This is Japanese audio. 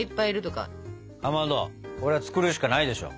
かまどこれは作るしかないでしょ。